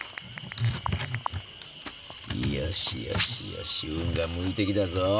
よしよしよし運が向いてきたぞ。